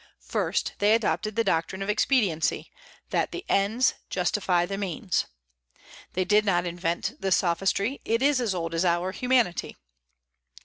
First, they adopted the doctrine of expediency, that the end justifies the means. They did not invent this sophistry, it is as old as our humanity.